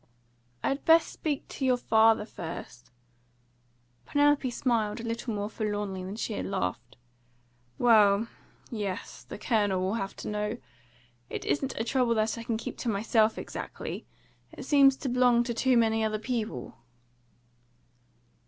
"I'd best speak to your father first " Penelope smiled a little more forlornly than she had laughed. "Well, yes; the Colonel will have to know. It isn't a trouble that I can keep to myself exactly. It seems to belong to too many other people."